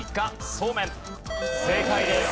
正解です。